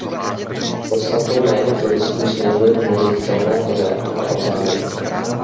Podstatně méně turistů směřuje k moři v Černé Hoře a v Albánii.